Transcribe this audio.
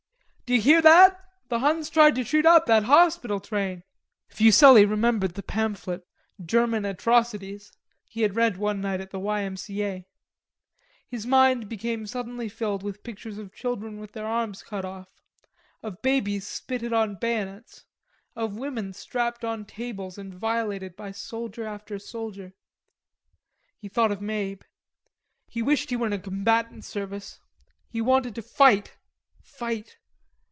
"D'ye hear that? The Huns tried to shoot up that hospital train." Fuselli remembered the pamphlet "German Atrocities" he had read one night in the Y. M. C. A. His mind became suddenly filled with pictures of children with their arms cut off, of babies spitted on bayonets, of women strapped on tables and violated by soldier after soldier. He thought of Mabe. He wished he were in a combatant service; he wanted to fight, fight.